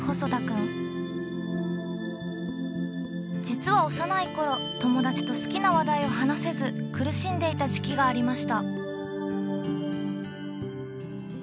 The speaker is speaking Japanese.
実は幼い頃友だちと好きな話題を話せず苦しんでいた時期がありました。